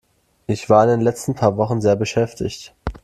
Ich war in den letzten paar Wochen sehr beschäftigt.